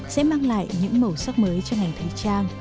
sẽ mang lại những màu sắc mới cho ngành thời trang